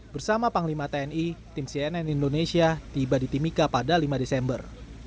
bersama panglima tni tim cnn indonesia tiba di timika pada lima desember